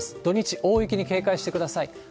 土日、大雪に警戒してください。